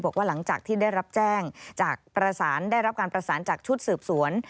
บอกว่าหลังจากที่ได้รับแจ้งจากประสานได้รับการประสานจากชุดสืบสวน